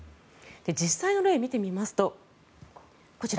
実際の例を見てみますとこちら。